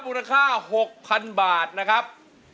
มูลค่า๖๐๐๐บาทนะครับ